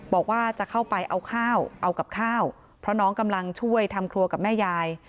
บอกว่าจะเข้าไปเอาข้าวเอากับข้าวเพราะน้องกำลังช่วยทำครัวกับแม่ยาย